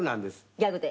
ギャグで。